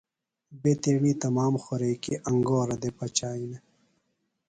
بےۡ تیݨی تمام خوریکیۡ انگورہ دےۡ پچِیانہ۔